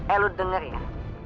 eh lu denger ya